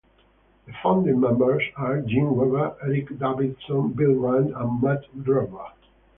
The founding members are Jim Weber, Eric Davidson, Bill Randt, and Matt Reber.